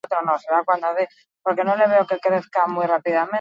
Ozeano Barearen ekialdeko muturrean dago, Kaliforniako golkoaren hegoaldean.